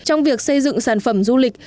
trong việc xây dựng sản phẩm du lịch